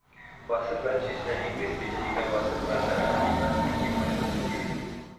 Bahasa Perancis dan Inggeris dijadikan bahasa perantaraan di merata dunia pada masa kini